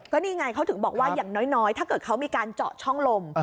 ก็นี่ไงเขาถึงบอกว่าอย่างน้อยถ้าเกิดเขามีการเจาะช่องลม